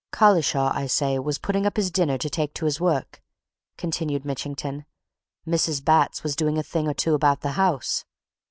"Collishaw, I say, was putting up his dinner to take to his work," continued Mitchington. "Mrs. Batts was doing a thing or two about the house.